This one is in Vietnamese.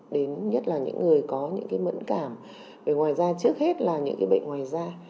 đến nhất là những người có những cái mẫn cảm ngoài ra trước hết là những cái bệnh ngoài da